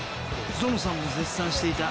ゾノさんも絶賛していた